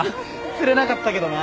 釣れなかったけどな。